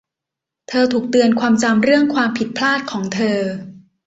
เธอถูกเตือนความจำเรื่องความผิดพลาดของเธอ